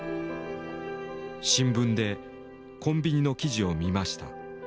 「新聞でコンビニの記事を見ました。